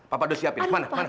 papa udah siapin kemana mana